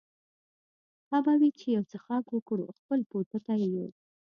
ښه به وي چې یو څښاک وکړو، خپل پوټکی یې.